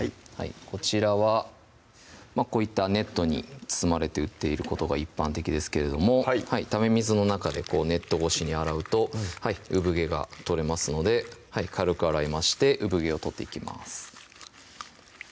こちらはこういったネットに包まれて売っていることが一般的ですけれどもため水の中でこうネット越しに洗うと産毛が取れますので軽く洗いまして産毛を取っていきます